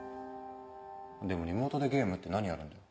でもリモートでゲームって何やるんだよ？